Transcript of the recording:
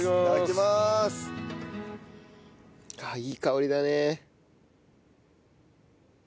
ああいい香りだね。